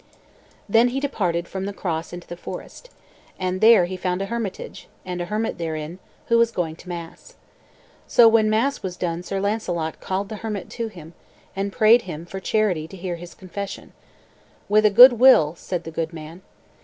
Then he departed from the cross into the forest. And there he found a hermitage, and a hermit therein, who was going to mass. So when mass was done Sir Launcelot called the hermit to him, and prayed him for charity to hear his confession. "With a good will," said the good man.